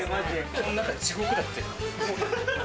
この中、地獄だって。